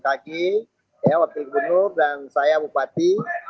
kaki wakil gubernur dan saya bupati